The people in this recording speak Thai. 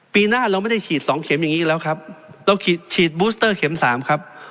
ปีหน้าเราไม่ได้ฉีด๒เข็มอย่างนี้แล้วครับเราฉีดบูสเตอร์เข็ม๓ครับ